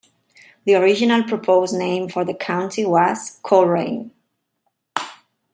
The original proposed name for the county was "Colerain".